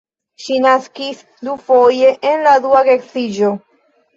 Ŝi naskis dufoje en la dua geedziĝo.